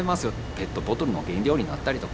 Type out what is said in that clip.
ペットボトルの原料になったりとか。